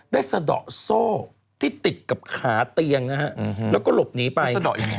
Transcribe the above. สะดอกโซ่ที่ติดกับขาเตียงนะฮะแล้วก็หลบหนีไปสะดอก